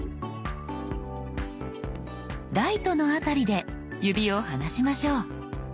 「ライト」の辺りで指を離しましょう。